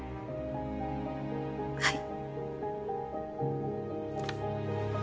はい。